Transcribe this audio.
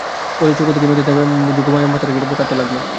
বলে চৌকি থেকে মেঝেতে নেমে যোগমায়ার কোলে মাথা রেখে কাঁদতে লাগল।